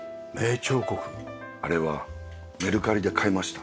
あれはメルカリで買いました。